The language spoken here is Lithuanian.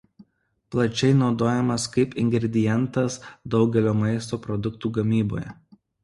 Plačiai naudojamas kaip ingredientas daugelio maisto produktų gamyboje.